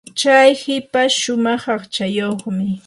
chay hipash shumaq aqchayuq.